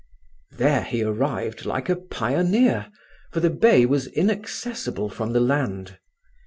There he arrived like a pioneer, for the bay was inaccessible from the land.